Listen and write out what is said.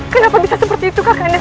kenapa bisa seperti itu kakak indah